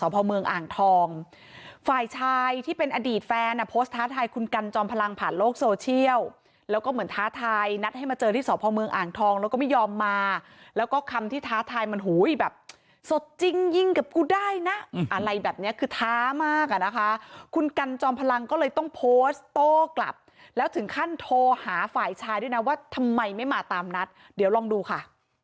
ไปนัดให้มาเจอที่สวพเมืองอ่างทองแล้วก็ไม่ยอมมาแล้วก็คำที่ท้าทายมันหุ้ยแบบสดจริงยิ่งกับกูได้นะอะไรแบบนี้คือท้ามากอ่ะนะคะคุณกันจอมพลังก็เลยต้องโพสต์โต้กลับแล้วถึงขั้นโทรหาฝ่ายชายด้วยนะว่าทำไมไม่มาตามนัดเดี๋ยวลองดูค่ะ